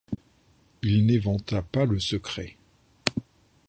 Il n’éventa pas le secret.